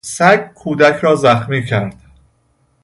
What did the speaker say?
سگ کودک را زخمی کرد.